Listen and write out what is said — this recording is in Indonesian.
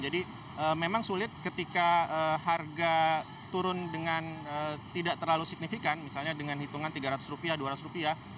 jadi memang sulit ketika harga turun dengan tidak terlalu signifikan misalnya dengan hitungan rp tiga ratus rp dua ratus